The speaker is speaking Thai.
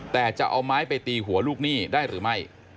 แต่จะเอาไม้ไปตีหัวลูกหนี้ได้หรือไม่